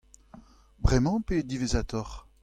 Bremañ pe diwezhatoc'h ?